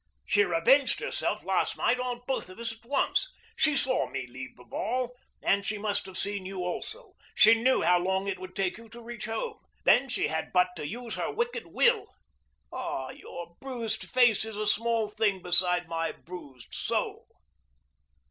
"She revenged herself last night on both of us at once. She saw me leave the ball, and she must have seen you also. She knew how long it would take you to reach home. Then she had but to use her wicked will. Ah, your bruised face is a small thing beside my bruised soul!"